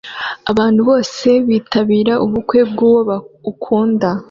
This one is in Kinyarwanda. Abantu bose bitabira ubukwe bw'uwo ukunda